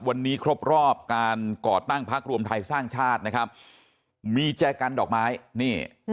วันนี้ครบรอบการก่อตั้งพักรวมไทยสร้างชาตินะครับมีแจกันดอกไม้นี่